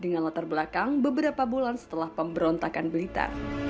dianggap musuh negara dengan latar belakang beberapa bulan setelah pemberontakan belita